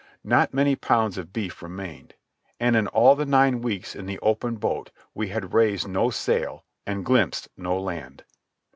Not many pounds of beef remained. And in all the nine weeks in the open boat we had raised no sail and glimpsed no land.